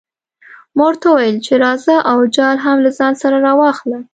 ما ورته وویل چې راځه او جال هم له ځان سره راواخله.